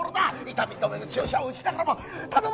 痛み止めの注射を打ちながらも「頼む！